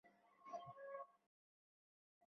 মাঝে মাঝে করি, স্যার।